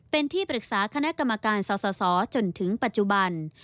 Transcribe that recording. เป็นที่ปรึกษาคณะกรรมการสสจนถึงปัจจุบัน